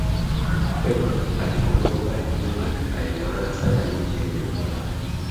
pep alipokuwa bayern munich alitawala sana ligi ya ujerumani